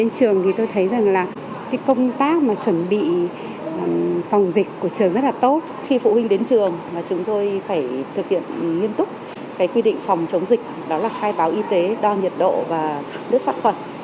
chúng tôi phải thực hiện nghiên túc phải quy định phòng chống dịch đó là khai báo y tế đo nhiệt độ và đất sắc phẩm